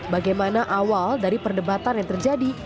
bagaimana awal dari perdebatan yang terjadi